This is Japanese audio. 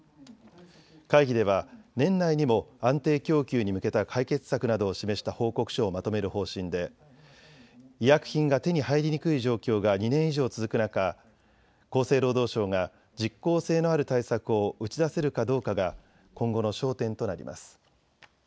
会議では年内にも安定供給に向けた解決策などを示した報告書をまとめる方針で医薬品が手に入りにくい状況が２年以上、続く中、厚生労働省が実効性のある対策を打ち出せるかどうかが今後の焦点となります。